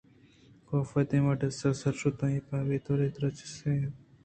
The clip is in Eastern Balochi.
کاف دیم ءِ ڈیسک ءِ سرا نشت ءُآئی ءَ پہ بے تواری چارءُتپاس ءَ لگ اِت آئی ءِ بے گویاکی ایں درٛوشم